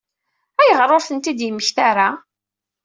Ayɣer ur ten-id-yemmekta ara?